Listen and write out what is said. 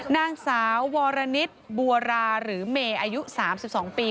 นางสาววรณิตบัวราหรือเมย์อายุ๓๒ปี